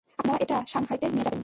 আপনারা এটা শাংহাইতে নিয়ে যাবেন।